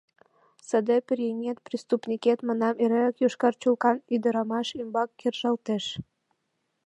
— Саде пӧръеҥет, преступникет, манам, эреак йошкар чулкан ӱдырамаш ӱмбак кержалтеш.